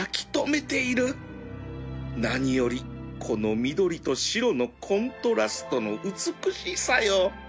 何よりこの緑と白のコントラストの美しさよ